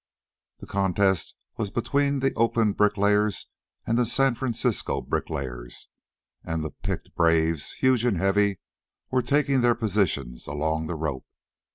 The contest was between the Oakland Bricklayers and the San Francisco Bricklayers, and the picked braves, huge and heavy, were taking their positions along the rope.